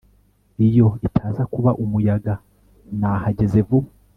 Iyo itaza kuba umuyaga nahageze vuba